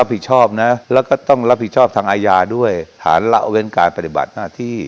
เพราะเป็นการปฏิบัติหน้าที่